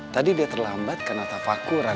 tadi dia terlambat karena tafakulan